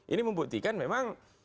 ini membuktikan memang